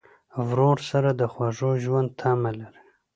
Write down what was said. ورور سره د خوږ ژوند تمه لرې.